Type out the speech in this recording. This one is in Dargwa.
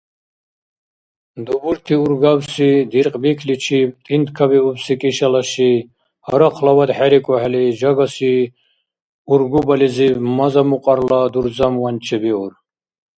Дубурти-ургабси диркьбикличиб тӏинтӏкабиубси Кӏишала ши, гьарахълавад хӏерикӏухӏели, жагаси ургубализиб маза-мукьрала дурзамван чебиур.